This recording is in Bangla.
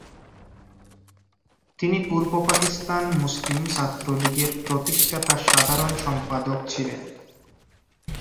তিনি পূর্ব পাকিস্তান মুসলিম ছাত্রলীগের প্রতিষ্ঠাতা সাধারণ সম্পাদক ছিলেন।